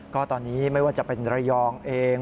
ก็ตอนนี้ไม่ว่าจะเป็นระยองเอง